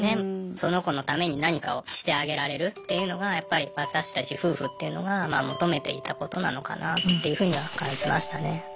その子のために何かをしてあげられるっていうのがやっぱり私たち夫婦っていうのが求めていたことなのかなっていうふうには感じましたね。